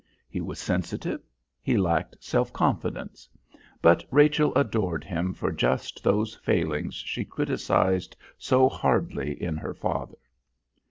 He was sensitive, he lacked self confidence; but Rachel adored him for just those failings she criticised so hardly in her father.